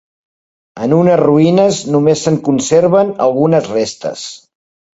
És en ruïnes; només se'n conserven algunes restes.